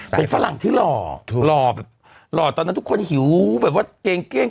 สายฝรั่งที่หล่อถูกหล่อหล่อตอนนั้นทุกคนหิวแบบว่าเกรงเกรียญ